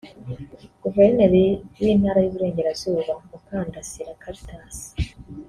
Guverineri w’Intara y’Uburengerazuba Mukandasira Caritas